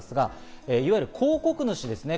いわゆる広告主ですね。